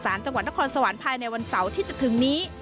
จังหวัดนครสวรรค์ภายในวันเสาร์ที่จะถึงนี้